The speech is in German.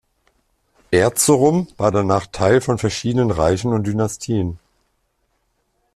Erzurum war danach Teil von verschiedenen Reichen und Dynastien.